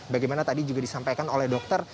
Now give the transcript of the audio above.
bagaimana tadi juga disampaikan oleh dokter